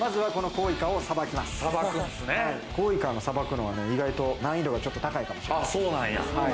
コウイカをさばくのは意外と難易度がちょっと高いかもしれない。